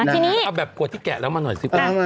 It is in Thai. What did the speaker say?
ทีนี้เอาแบบปวดที่แกะแล้วมาหน่อยซิ